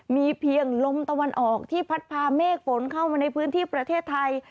มีเพียงลมตะวันออกที่พัดพาเมฆฝนเข้ามาในพื้นที่ประเทศไทย